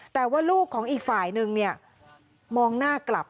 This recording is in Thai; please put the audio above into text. แต่ว่าลูกของอีกฝ่ายนึงเนี่ยมองหน้ากลับ